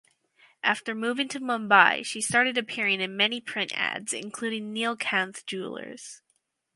After moving to Mumbai she started appearing in many print ads including Neelkanth Jewellers.